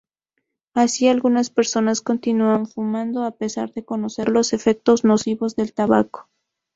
Así algunas personas continúan fumando a pesar de conocer los efectos nocivos del tabaco.